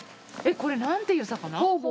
これ、なんていう魚？